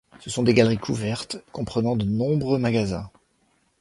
Ce sont des galeries couvertes comprenant de nombreux magasins.